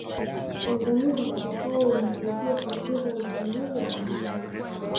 tanzania safari insaidia kukuza utalii wa ndani